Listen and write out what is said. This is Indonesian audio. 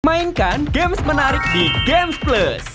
mainkan games menarik di gamesplus